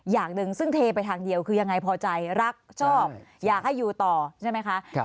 อย่างหนึ่งซึ่งเทไปทางเดียวคือยังไงพอใจรักชอบอยากให้อยู่ต่อใช่ไหมคะ